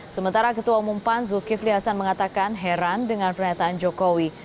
sementara ketua umum pan zulkifli hasan mengatakan heran dengan pernyataan jokowi